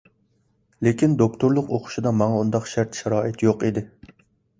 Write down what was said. لېكىن، دوكتورلۇق ئوقۇشىدا ماڭا ئۇنداق شەرت-شارائىت يوق ئىدى.